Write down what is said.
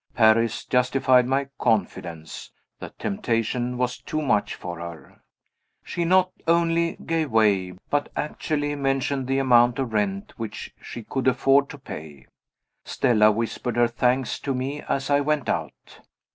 Paris justified my confidence: the temptation was too much for her. She not only gave way, but actually mentioned the amount of rent which she could afford to pay. Stella whispered her thanks to me as I went out.